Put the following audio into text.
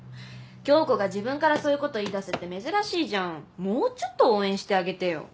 響子が自分からそういうこと言いだすって珍しいじゃんもうちょっと応援してあげてよ。